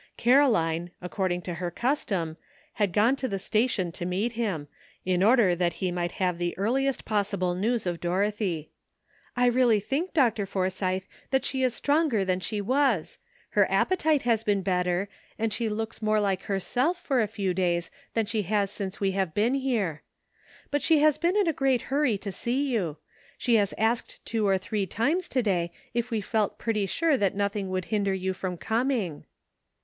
Caroline, according to her custom, had gone to the station to meet him, in order that he might have the earliest possible news of Dorothy. "I really think, Dr. Forsythe, that she is stronger than she was; her appetite has been better, and she looks more like herself, for a few days, than she has since we have been here. But she has 356 ANOTHER "SIDE TRACK.'* been in a great hurry to see you ; she has asked two or three times to day if we felt pretty sure that nothing would hinder you from coming."